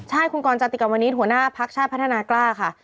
ใช่คุณกรจติกรรมนิษฐ์หัวหน้าพักชาติพัฒนากล้าค่ะ